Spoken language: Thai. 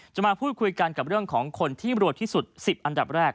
มาพูดคุยกันกับเรื่องของคนที่รวดที่สุด๑๐อันดับแรก